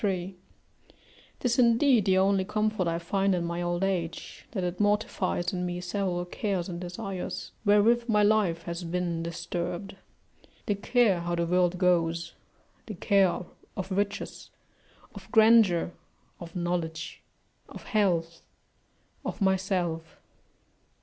653.] 'Tis indeed the only comfort I find in my old age, that it mortifies in me several cares and desires wherewith my life has been disturbed; the care how the world goes, the care of riches, of grandeur, of knowledge, of health, of myself.